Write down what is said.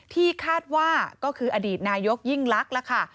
ที่คาดว่าก็คืออดีตนายกยิ่งลักษณ์ล่ะค่ะ